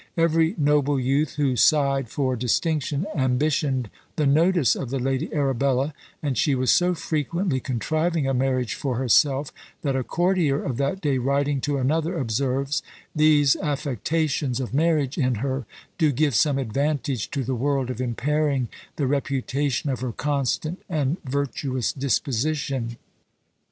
Every noble youth who sighed for distinction ambitioned the notice of the Lady Arabella; and she was so frequently contriving a marriage for herself, that a courtier of that day writing to another, observes, "these affectations of marriage in her do give some advantage to the world of impairing the reputation of her constant and virtuous disposition."